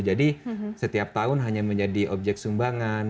jadi setiap tahun hanya menjadi objek sumbangan